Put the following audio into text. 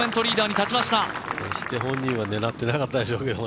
決して本人は狙っていなかったでしょうけれども、